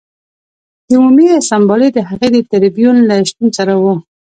د عمومي اسامبلې او د هغې د ټربیون له شتون سره و